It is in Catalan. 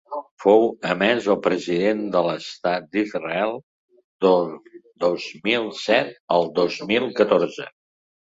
Fou, a més el president de l’estat d’Israel del dos mil set al dos mil catorze.